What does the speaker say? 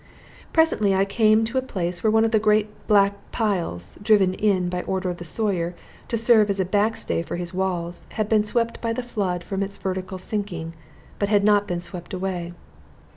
Presently I came to a place where one of the great black piles, driven in by order of the Sawyer, to serve as a back stay for his walls, had been swept by the flood from its vertical sinking, but had not been swept away.